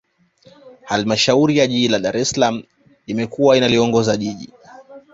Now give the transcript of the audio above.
Halmashauri ya Jiji la Dar es Salaam imekuwa inaliongoza Jiji